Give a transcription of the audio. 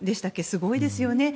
すごいですよね。